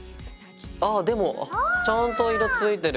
ああでもちゃんと色ついてる。